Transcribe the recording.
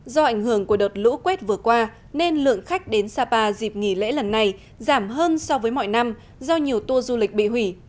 do ảnh hưởng của đợt lũ quét vừa qua nên lượng khách đến sapa dịp nghỉ lễ lần này giảm hơn so với mọi năm do nhiều tour du lịch bị hủy